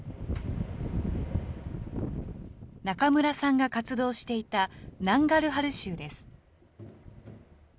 中村さんが活動していたナンガルハル州です。